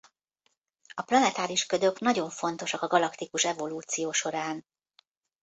A planetáris ködök nagyon fontosak a galaktikus evolúció során.